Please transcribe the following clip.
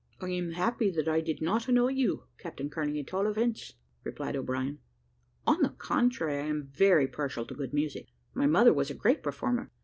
"I am happy that I did not annoy you, Captain Kearney, at all events," replied O'Brien. "On the contrary, I am very partial to good music. My mother was a great performer.